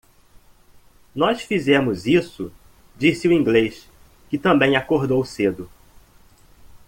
"Nós fizemos isso!" disse o inglês? que também acordou cedo.